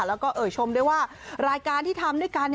แล้วก็เอ่ยชมด้วยว่ารายการที่ทำด้วยกัน